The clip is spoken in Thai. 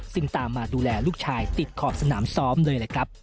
ซึ่งตามมาดูแลลูกชายติดขอบสนามซ้อมเลยแหละครับ